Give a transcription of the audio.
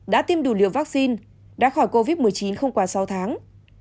đã tiêm đủ liều vaccine đã khỏi covid một mươi chín không quá sáu tháng